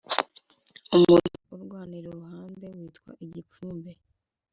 umutwe uryanira iruhande witwa igipfumbe